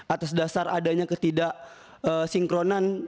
atas dasar adanya ketidaksinkronan